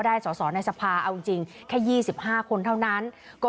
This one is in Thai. ได้สศในสภาพเอาจริงแค่ยี่สิบห้าคนเท่านั้นก็